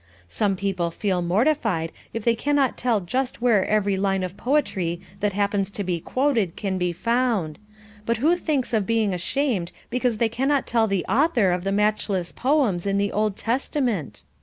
Some people feel mortified if they cannot tell just where every line of poetry that happens to be quoted can be found, but who thinks of being ashamed because they cannot tell the author of the matchless poems in the Old Testament?